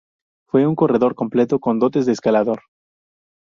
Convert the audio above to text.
Fue un corredor completo con dotes de escalador.